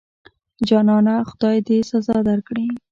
جانانه خدای دې سزا درکړي.